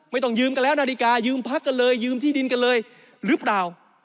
ไม่ต้องยืมกันแล้วนาฬิกายืมพักกันเลยยืมที่ดินกันเลยหรือเปล่า